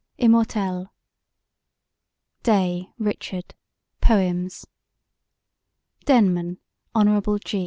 Immortelles DAY, RICHARD: Poems DENMAN, HON.